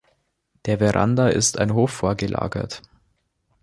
Der Veranda ist ein Hof vorgelagert.